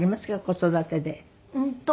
子育てで。